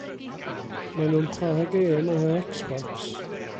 Mae nhw'n chwarae gêm ar yr Xbox.